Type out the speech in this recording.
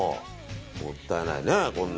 もったいないね、こんな。